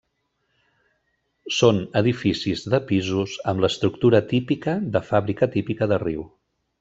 Són edificis de pisos, amb l'estructura típica de fàbrica típica de riu.